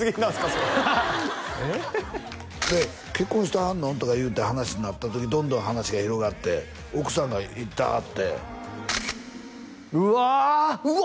それで結婚してはんの？とかいうて話になった時どんどん話が広がって奥さんがいてはってうわうわ